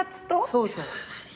そうそう。